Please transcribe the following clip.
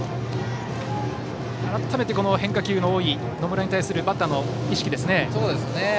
改めて変化球の多い野村に対するバッターの意識ですね。